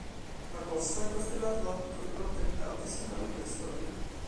La costa è costellata da piccole grotte abitate sin dalla preistoria.